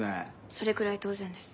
それくらい当然です。